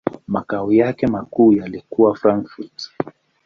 Makao yake makuu yalikuwa Frankfurt.